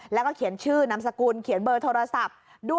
แล้วก็เขียนชื่อนามสกุลเขียนเบอร์โทรศัพท์